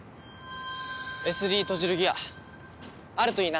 ＳＤトジルギアあるといいな。